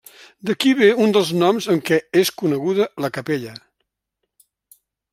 D'aquí ve un dels noms amb què és coneguda la capella.